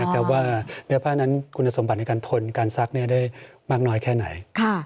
ว่าเนื้อผ้านั้นคุณสมบัติในการทนการซักได้มากน้อยแค่ไหน